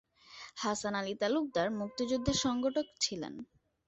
হাসান আলী তালুকদার মুক্তিযুদ্ধের সংগঠক ছিলেন।